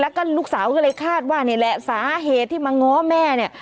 แล้วก็ลูกสาวก็เลยคาดว่านี่แหละสาเหตุที่มาง้อแม่เนี่ย